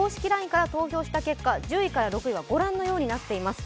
ＬＩＮＥから投票した結果、１０位から６位はご覧のようになっています。